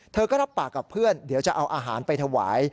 เธอก็รับปากกับเพื่อนเดี๋ยวจะเอาอาหารไปถวาย